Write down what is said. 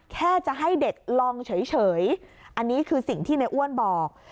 แค่จะให้เด็กลองเฉยอันนี้คือสิ่งที่ในอ้วนบอก